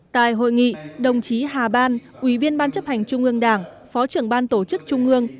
tại hội nghị đồng chí hà ban ủy viên ban chấp hành trung ương đảng phó trưởng ban tổ chức trung ương